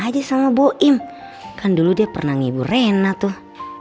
aja sama bu im kan dulu dia pernah ngibur rena tuh